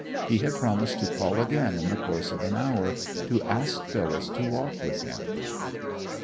He had promised to call again in the course of an hour, to ask Phyllis to walk with him.